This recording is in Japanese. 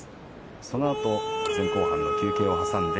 そのあと、前後半の休憩を挟んで。